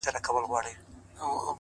هوښیار انتخاب وخت خوندي کوي.!